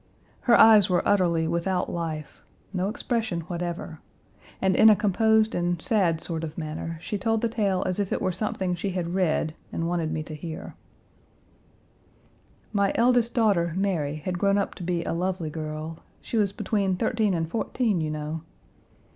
Her eyes were utterly without life; no expression whatever, and in a composed and sad sort of manner she told the tale as if it were something she had read and wanted me to hear: "My eldest daughter, Mary, had grown up to be a lovely girl. She was between thirteen and fourteen, you know.